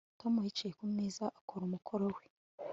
Tom yicaye ku meza akora umukoro we